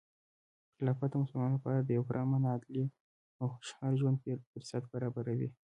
خلافت د مسلمانانو لپاره د یو پرامن، عدلي، او خوشحال ژوند فرصت برابروي.